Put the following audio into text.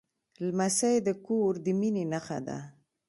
لمسی د کور د مینې نښه ده.